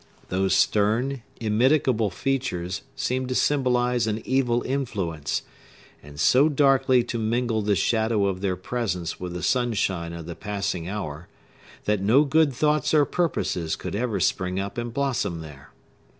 Those stern, immitigable features seemed to symbolize an evil influence, and so darkly to mingle the shadow of their presence with the sunshine of the passing hour, that no good thoughts or purposes could ever spring up and blossom there.